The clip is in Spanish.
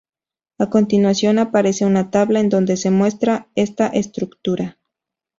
A continuación aparece una tabla en donde se muestra esta estructura.